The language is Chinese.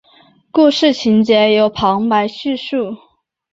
故事情节由旁白叙述。